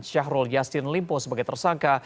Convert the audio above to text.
syahrul yassin limpo sebagai tersangka